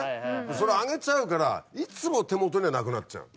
それあげちゃうからいつも手元にはなくなっちゃうの。